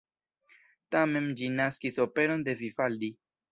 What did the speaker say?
Tamen ĝi naskis operon de Vivaldi.